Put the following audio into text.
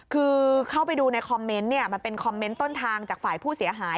คือเข้าไปดูในคอมเมนต์เนี่ยมันเป็นคอมเมนต์ต้นทางจากฝ่ายผู้เสียหาย